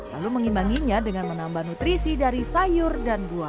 lalu mengimbanginya dengan menambah nutrisi dari sayur dan buah